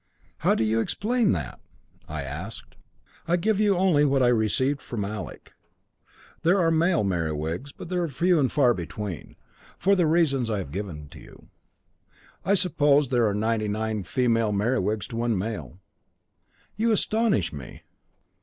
"How do you explain that?" I asked. "I give you only what I received from Alec. There are male Merewigs, but they are few and far between, for the reasons I have given to you. I suppose there are ninety nine female Merewigs to one male." "You astonish me."